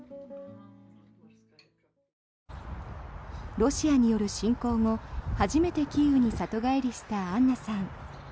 ロシアによる侵攻後初めてキーウに里帰りしたアンナさん。